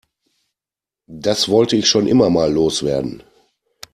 Das wollte ich schon immer mal loswerden.